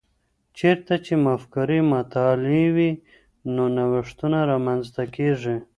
چیرته چي مفکورې مطالعې وي، نو نوښتونه رامنځته کیږي؟